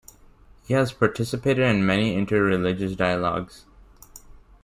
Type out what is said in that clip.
He has participated in many inter-religious dialogues.